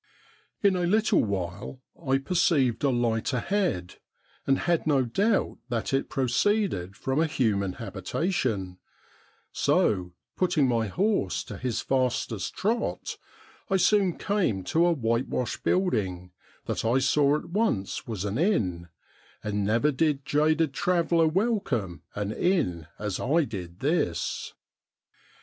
In a little while I perceived a light ahead, and had no doubt that it proceeded from a human habitation, so, putting my horse to his fastest trot, I soon came to a whitewashed build ing, that I saw at once was an inn, and never did jaded G2 84 STORIES WEIRD AND WONDERFUL traveller welcome an inn as I did this.